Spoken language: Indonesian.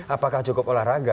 apakah cukup olahraga